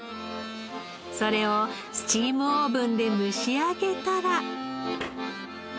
それをスチームオーブンで蒸し上げたら。